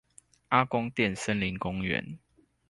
阿公店森林公園